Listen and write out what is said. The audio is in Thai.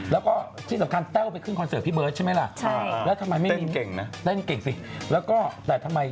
แล้วก็ที่สำคัญเต่าไปขึ้นคอนเสิร์ทพี่เบิร์ตใช่ไหมล่ะ